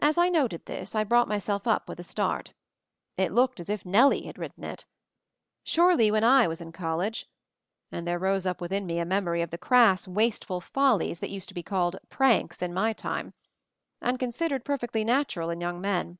As I noted this, I brought myself up with a start. It looked as if Nellie had written it. Surely, when I was in college — and there rose up within me a memory of the crass, wasteful follies that used to be called "pranks" in my time, and considered per fectly natural in young men.